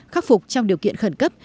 khắc phục trong điều kiện khẩn cấp